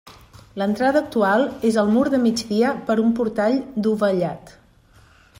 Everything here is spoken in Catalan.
L'entrada actual és al mur de migdia per un portal dovellat.